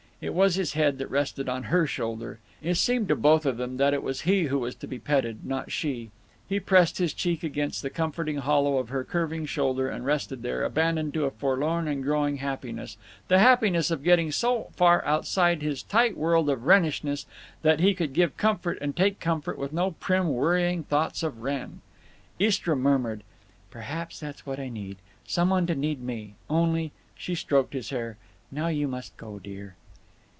It was his head that rested on her shoulder. It seemed to both of them that it was he who was to be petted, not she. He pressed his cheek against the comforting hollow of her curving shoulder and rested there, abandoned to a forlorn and growing happiness, the happiness of getting so far outside of his tight world of Wrennishness that he could give comfort and take comfort with no prim worried thoughts of Wrenn. Istra murmured: "Perhaps that's what I need—some one to need me. Only—" She stroked his hair. "Now you must go, dear."